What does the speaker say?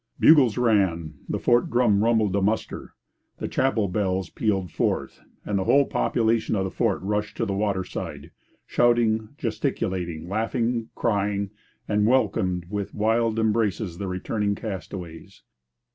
Bugles rang; the fort drum rumbled a muster; the chapel bells pealed forth; and the whole population of the fort rushed to the water side shouting, gesticulating, laughing, crying and welcomed with wild embraces the returning castaways.